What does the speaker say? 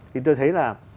thì tôi thấy là